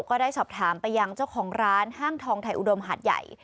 ก็ได้สอบถามไปยังเจ้าของร้านห้างทองไทยอุดมหาดใหญ่